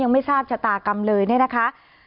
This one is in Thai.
ไม่ทราบชะตากรรมเลยเนี่ยนะคะ